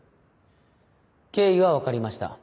経緯は分かりました。